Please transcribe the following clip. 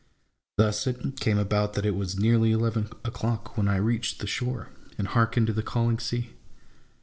Thus it came about that it was nearly eleven o'clock when I reached the shore, and hearkened to the calling sea.